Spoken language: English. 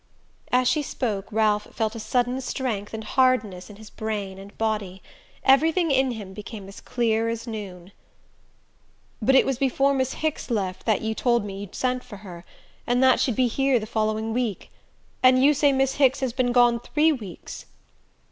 As she spoke Ralph felt a sudden strength and hardness in his brain and body. Everything in him became as clear as noon. "But it was before Miss Hicks left that you told me you'd sent for her, and that she'd be here the following week. And you say Miss Hicks has been gone three weeks."